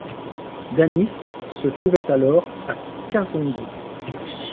Dhanis se trouvait alors à Kasongo.